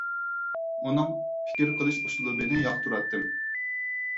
ئۇنىڭ پىكىر قىلىش ئۇسلۇبىنى ياقتۇراتتىم.